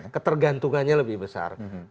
ketergantungannya lebih besar